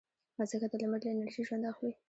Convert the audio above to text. مځکه د لمر له انرژي ژوند اخلي.